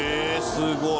すごい！